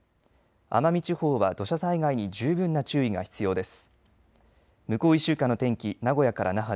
奄美地方は土砂災害に十分な注意が必要です。